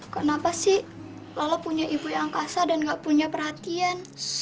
kenapa sih lola punya ibu yang kasar dan gak punya perhatian